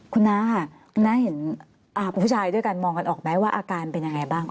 คุณน้าค่ะคุณน้าเห็นผู้ชายด้วยกันมองกันออกไหมว่าอาการเป็นยังไงบ้าง